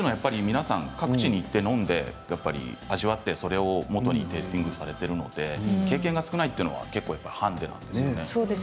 各地に行って飲んで味わってそれをもとにテースティングされているので経験が少ないというのは結構、ハンデですよね。